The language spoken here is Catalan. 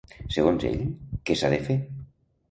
Segons ell, què s'ha de fer?